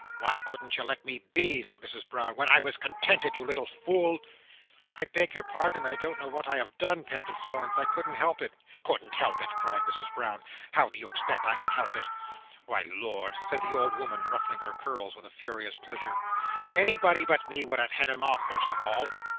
"Why couldn't you let me be!" said Mrs Brown, "when I was contented? You little fool!" "I beg your pardon. I don't know what I have done," panted Florence. "I couldn't help it." "Couldn't help it!" cried Mrs Brown. "How do you expect I can help it? Why, Lord!" said the old woman, ruffling her curls with a furious pleasure, "anybody but me would have had 'em off, first of all."